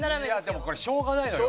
でもこれしょうがないのよ。